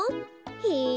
へえ。